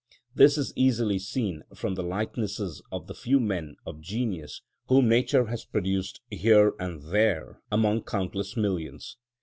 This is easily seen from the likenesses of the few men of genius whom Nature has produced here and there among countless millions.